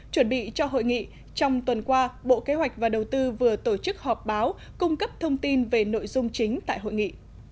chuẩn bị cho hội nghị trong tuần qua bộ kế hoạch và đầu tư vừa tổ chức họp báo cung cấp thông tin về nội dung chính tại hội nghị